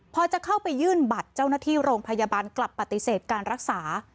พอจะเข้าไปยื่นบัตรเจ้าหน้าที่โรงพยาบาลกลับปฏิเสธการรักษา